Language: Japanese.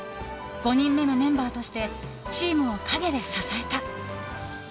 ５人目のメンバーとしてチームを陰で支えた。